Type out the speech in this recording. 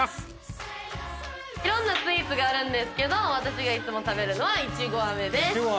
いろんなスイーツがあるんですけど私がいつも食べるのはいちご飴です。